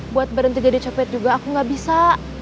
buat berhenti jadi coklat juga aku gak bisa